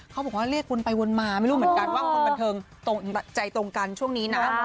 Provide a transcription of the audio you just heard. เขาบอกว่าเรียกวนไปวนมาไม่รู้เหมือนกันว่าคนบันเทิงตรงใจตรงกันช่วงนี้นะ